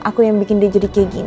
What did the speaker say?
aku yang bikin dia jadi kayak gini